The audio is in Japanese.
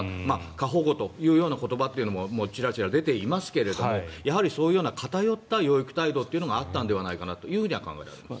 過保護という言葉もちらちら出ていますけどやはり、そういう偏った養育態度があったのではないかと考えます。